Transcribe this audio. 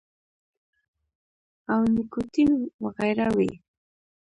او نيکوټین وغېره وي -